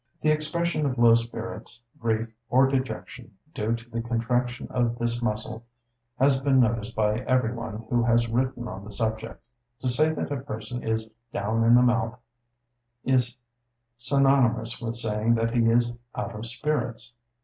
The expression of low spirits, grief or dejection, due to the contraction of this muscle has been noticed by every one who has written on the subject. To say that a person "is down in the mouth," is synonymous with saying that he is out of spirits.